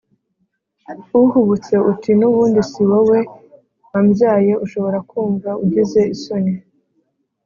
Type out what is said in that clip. uhubutse uti n ubundi si wowe wambyaye Ushobora kumva ugize isoni